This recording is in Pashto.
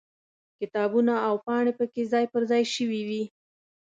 کتابونه او پاڼې پکې ځای پر ځای شوي وي.